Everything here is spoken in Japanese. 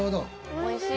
おいしい。